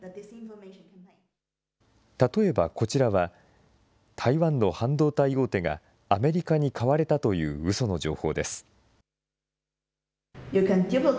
例えばこちらは、台湾の半導体大手が、アメリカに買われたといううその情報です。